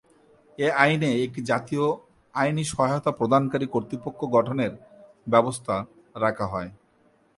এ আইনে একটি জাতীয় আইনি সহায়তা প্রদানকারী কর্তৃপক্ষ গঠনের ব্যবস্থা রাখা হয়।